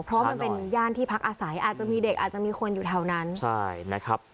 เพราะมันเป็นย่านที่พักอาศัยอาจจะมีเด็กอาจจะมีคนอยู่แถวนั้นใช่นะครับ